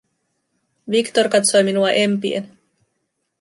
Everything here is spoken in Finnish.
Victor katsoi minua empien.